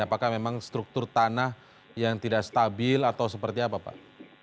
apakah memang struktur tanah yang tidak stabil atau seperti apa pak